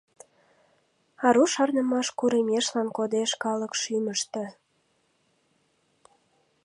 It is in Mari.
Ару шарнымаш курымешлан кодеш калык шӱмыштӧ.